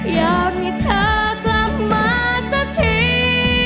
อยากให้เธอกลับมาสักที